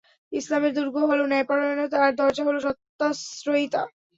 ইসলামের দূর্গ হল ন্যায়পরায়ণতা আর দরজা হল সত্যাশ্রয়িতা।